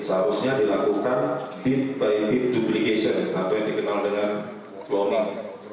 seharusnya dilakukan bit by bit duplication atau yang dikenal dengan cloning